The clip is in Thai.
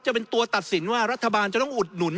จะเป็นตัวตัดสินว่ารัฐบาลจะต้องอุดหนุน